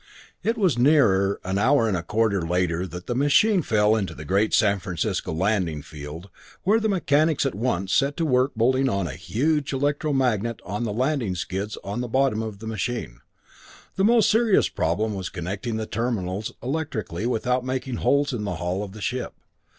It was nearer an hour and a quarter later that the machine fell to the great San Francisco landing field, where the mechanics at once set to work bolting a huge electro magnet on the landing skids on the bottom of the machine. The most serious problem was connecting the terminals electrically without making holes in the hull of the ship.